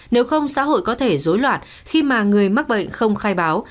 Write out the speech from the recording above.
nếu không xã hội có thể dối loạn khi mà người mắc bệnh không khai báo